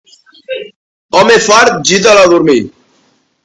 Home fart, gita'l a dormir.